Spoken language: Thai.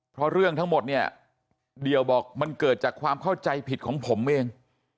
เพราะเรื่องทั้งหมดเนี่ยเดี่ยวบอกมันเกิดจากความเข้าใจผิดของผมเอง